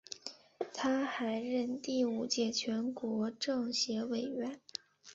他还任第五届全国政协委员。